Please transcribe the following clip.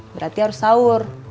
berarti harus sahur